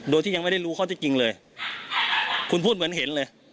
โดยที่ยังไม่ได้รู้ข้อที่จริงเลยคุณพูดเหมือนเห็นเลย